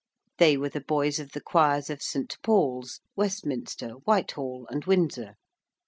They were the boys of the choirs of St. Paul's, Westminster, Whitehall, and Windsor.